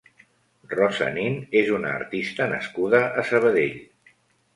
Rosa Nin és una artista nascuda a Sabadell.